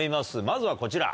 まずはこちら。